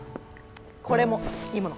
これもいいもの。